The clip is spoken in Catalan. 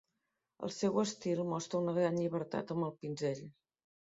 El seu estil mostra una gran llibertat amb el pinzell.